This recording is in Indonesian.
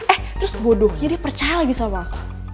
eh terus bodohnya dia percaya lagi sama aku